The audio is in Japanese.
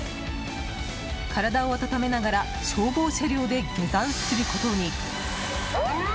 体を温めながら消防車両で下山することに。